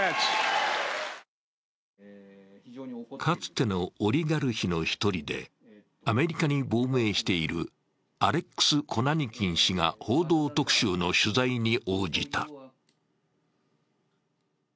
かつてのオリガルヒの１人で、アメリカに亡命しているアレックス・コナニキン氏が「報道特集」の取材に応じた。